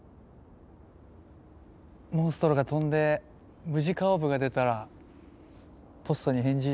モンストロが飛んでムジカオーブが出たらポッソに返事